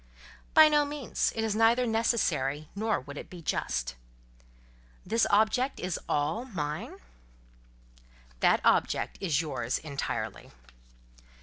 "By no means. It is neither necessary, nor would it be just." "This object is all mine?" "That object is yours entirely."